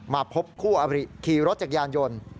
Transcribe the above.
มาพบคู่อบริขี่รถจักรยานยนต์